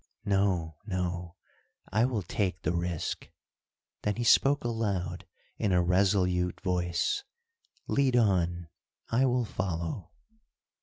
No! no! I will take the risk." Then he spoke aloud, in a resolute voice, "Lead on, I will follow."